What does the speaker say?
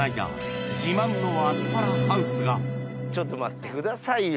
亡きちょっと待ってくださいよ